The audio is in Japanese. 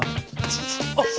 あっ！